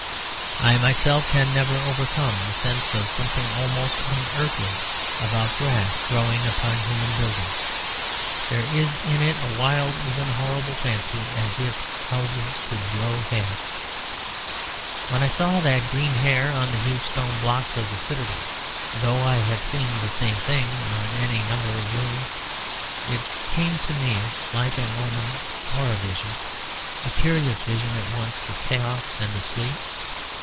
I myself can never overcome the sense of something almost unearthly about grass growing upon human buildings. There is in it a wild and even horrible fancy, as if houses could grow hair. When I saw that green hair on the huge stone blocks of the citadel, though I had seen the same thing on any number of ruins, it came to me like an omen or a vision, a curious vision at once of chaos and of sleep.